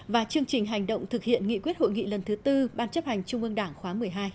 và chương trình hành động thực hiện nghị quyết hội nghị lần thứ tư ban chấp hành trung ương đảng khóa một mươi hai